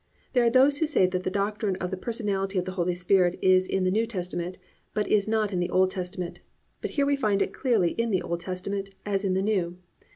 There are those who say that the doctrine of the Personality of the Holy Spirit is in the New Testament, but is not in the Old Testament; but here we find it as clearly in the Old Testament as in the New.